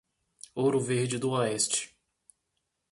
Ouro Verde do Oeste